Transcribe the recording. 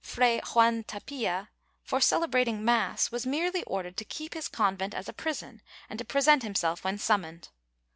Fray Juan Tapia, for celebrating mass, was merely ordered to keep his convent as a prison and to present himself when summoned.